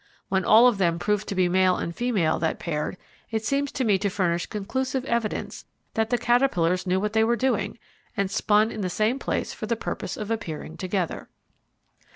When all of them proved to be male and female that paired, it seems to me to furnish conclusive evidence that the caterpillars knew what they were doing, and spun in the same place for the purpose of appearing together.